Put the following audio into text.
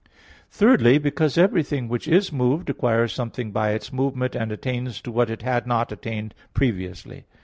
Thirdly, because everything which is moved acquires something by its movement, and attains to what it had not attained previously.